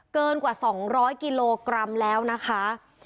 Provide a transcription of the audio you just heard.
เกินกว่า๒๐๐กิโลกรัมแล้วนะคะ